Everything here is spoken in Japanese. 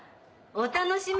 お楽しみ？